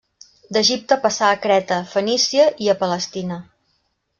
D'Egipte passà a Creta, Fenícia, i a Palestina.